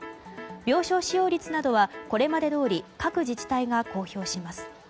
病床使用率などはこれまでどおり各自治体が公表します。